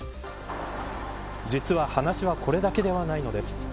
実は話はこれだけではないのです。